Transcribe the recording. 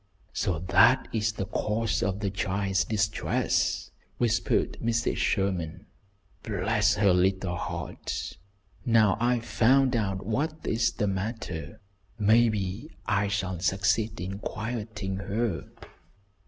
"So that is the cause of the child's distress," whispered Mrs. Sherman. "Bless her little heart, now I've found out what is the matter, maybe I can succeed in quieting her."